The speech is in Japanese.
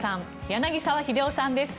柳澤秀夫さんです。